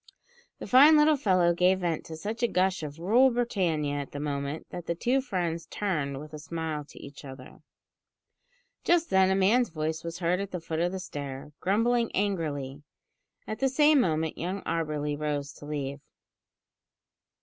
The fine little fellow gave vent to such a gush of "Rule Britannia" at the moment, that the two friends turned with a smile to each other. Just then a man's voice was heard at the foot of the stair, grumbling angrily. At the same moment young Auberly rose to leave.